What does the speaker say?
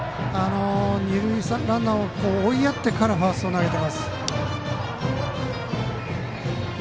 二塁ランナーを追いやってからファーストに投げました。